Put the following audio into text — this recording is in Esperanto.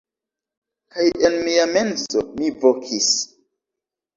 Kaj en mia menso, mi vokis: